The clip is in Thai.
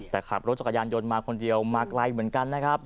แต่ขับรถจักรยานยนต์มาคนเดียวมาไกลเหมือนกันนะครับ